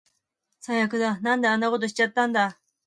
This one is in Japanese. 最悪だ。なんであんなことしちゃったんだ